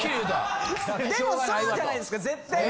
でもそうじゃないですか絶対に。